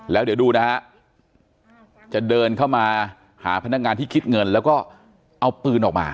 แล้วเดี๋ยวดูนะฮะจะเดินเข้ามาหาพนักงานที่คิดเงินแล้วก็เอาปืนออกมา